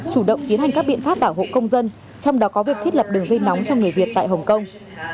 chủ động tiến hành các biện pháp bảo hộ công dân trong đó có việc thiết lập đường dây nóng cho người việt tại hồng kông